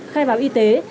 khai báo y tế